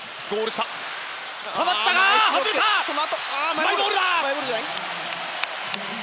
マイボールだ。